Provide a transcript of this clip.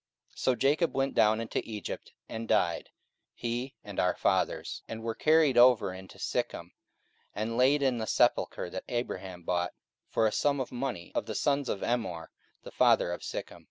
44:007:015 So Jacob went down into Egypt, and died, he, and our fathers, 44:007:016 And were carried over into Sychem, and laid in the sepulchre that Abraham bought for a sum of money of the sons of Emmor the father of Sychem.